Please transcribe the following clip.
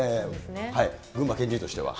群馬県人としては。